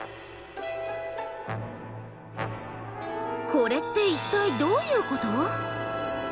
これって一体どういうこと？